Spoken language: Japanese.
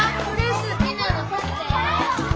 好きなの取って。